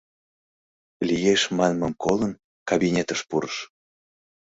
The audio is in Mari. «Лиеш» манмым колын, кабинетыш пурыш.